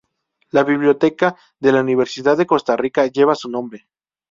La biblioteca de la Universidad de Costa Rica lleva su nombre.